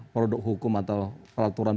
produk hukum atau peraturan